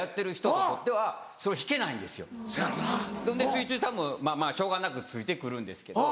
水中さんもしょうがなくついて来るんですけど